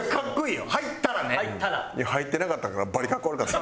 入ってなかったからバリ格好悪かった。